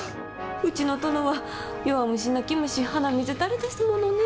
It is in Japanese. うちの殿は弱虫、泣き虫、鼻水垂れですものね。